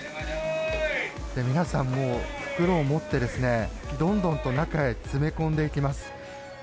皆さん袋を持ってどんどんと中へ詰め込んでいきます。